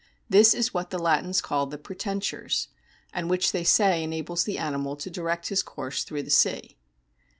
This is what the Latins call the pretentures, and which they say enables the animal to direct his course through the sea."